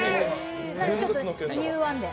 なので、ちょっとニューワンで。